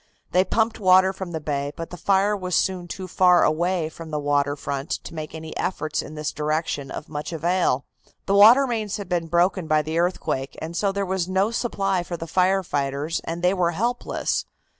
They pumped water from the bay, but the fire was soon too far away from the water front to make any efforts in this direction of much avail. The water mains had been broken by the earthquake, and so there was no supply for the fire engines and they were helpless.